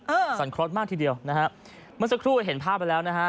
สันครสมากทีเดียวนะฮะเมื่อสักครู่เห็นภาพไปแล้วนะฮะ